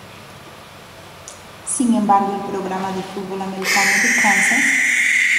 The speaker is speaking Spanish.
Sin embargo, el programa de fútbol americano de Kansas St.